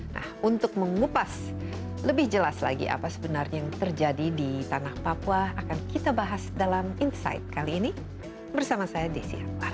nah untuk mengupas lebih jelas lagi apa sebenarnya yang terjadi di tanah papua akan kita bahas dalam insight kali ini bersama saya desi anwar